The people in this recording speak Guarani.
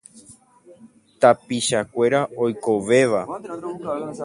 Tapichakuéra oikovéva.